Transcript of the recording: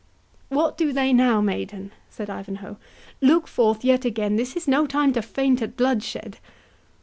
"What do they now, maiden?" said Ivanhoe; "look forth yet again—this is no time to faint at bloodshed."